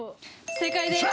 正解です。